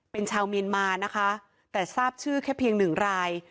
เป็นชาวเมียนมานะคะแต่ทราบชื่อแค่เพียงหนึ่งราย